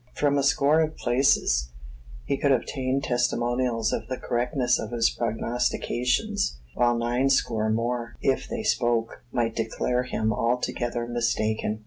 From a score of places, he could obtain testimonials of the correctness of his prognostications; while nine score more, if they spoke, might declare him altogether mistaken.